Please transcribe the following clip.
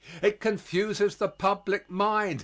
It confuses the public mind.